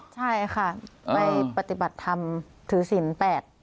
ใช่ค่ะไปปฏิบัติธรรมถือศิลป